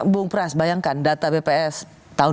bung pras bayangkan data bps tahun dua ribu dua puluh